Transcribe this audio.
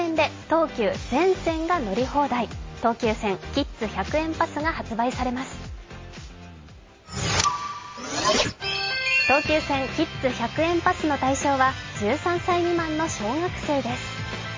東急線キッズ１００円パスの対象は１３歳未満の小学生です。